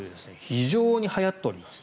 非常にはやっております。